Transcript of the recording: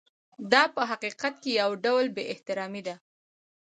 دا په حقیقت کې یو ډول بې احترامي ده.